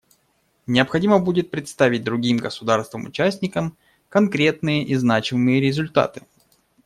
Необходимо будет представить другим государствам-участникам конкретные и значимые результаты.